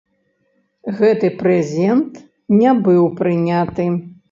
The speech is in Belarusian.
Гэты прэзент не быў прыняты.